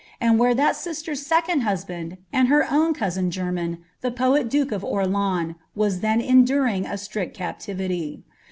and where tiial sister's second husband, and her own cousin gprrau, lb poal duke of Orleans, was then enduring a strict capiiviiv.